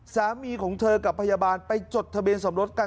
สามีของเธอกับพยาบาลไปจดทะเบียนสมรสกัน